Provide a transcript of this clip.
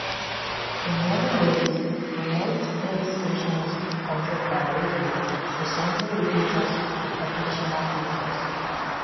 In many ways, remote base stations controlled by radio, resemble repeaters with additional features.